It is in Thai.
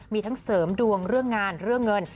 มีทั้งเสริมดวงเรื่องงานเรื่องเงิน